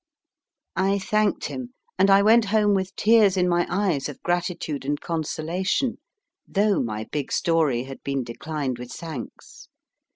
I thanked him, and I went home with tears in my eyes of gratitude and consolation, though my big story had been declined with thanks.